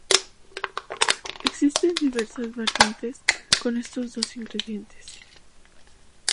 Existen diversas variantes con estos dos ingredientes.